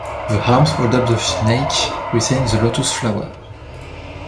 The arms hold up the snake within the lotus flower.